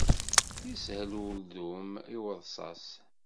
Yeshel uldun i uḍsas.